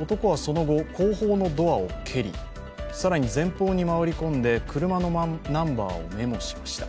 男はその後、後方のドアを蹴り、さらに前方に回り込んで車のナンバーをメモしました。